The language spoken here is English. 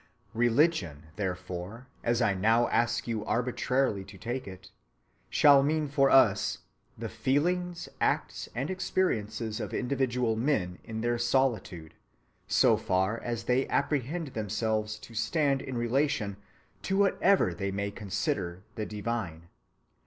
Religion, therefore, as I now ask you arbitrarily to take it, shall mean for us _the feelings, acts, and experiences of individual men in their solitude, so far as they apprehend themselves to stand in relation to whatever they may consider the divine_.